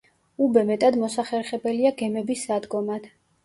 უბე მეტად მოსახერხებელია გემების სადგომად.